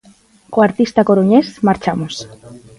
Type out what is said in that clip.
Co artista coruñés marchamos.